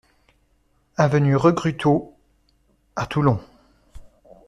Avenue Regrutto à Toulon